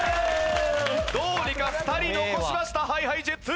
どうにか２人残しましたＨｉＨｉＪｅｔｓ！